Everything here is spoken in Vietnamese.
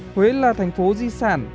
huế là thành phố di sản